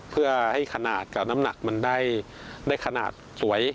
เพื่อให้ขนาดกับน้ำหนักมันได้ขนาดสวย